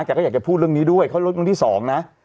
แกก็อยากจะพูดเรื่องนี้ด้วยเขาเลือกเรื่องที่สองนะ